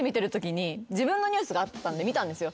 自分のニュースがあったんで見たんですよ。